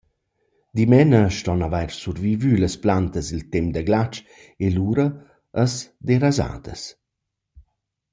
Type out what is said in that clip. Dimena ston avair survivü las plantas il temp da glatsch e lura as derasadas.